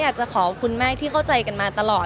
อยากจะขอบคุณมากที่เข้าใจกันมาตลอด